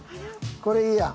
これいいやん。